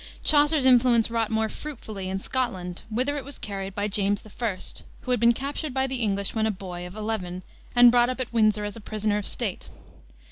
Chaucer's influence wrought more fruitfully in Scotland, whither it was carried by James I., who had been captured by the English when a boy of eleven, and brought up at Windsor as a prisoner of State.